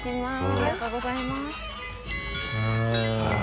ありがとうございます。